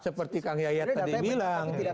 seperti kang yaya tadi bilang